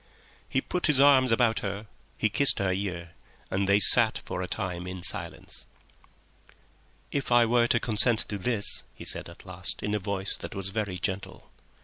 He put his arms about her, he kissed her ear, and they sat for a time in silence. "If I were to consent to this?" he said at last, in a voice that was very gentle.